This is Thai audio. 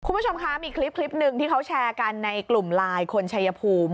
คุณผู้ชมคะมีคลิปหนึ่งที่เขาแชร์กันในกลุ่มไลน์คนชัยภูมิ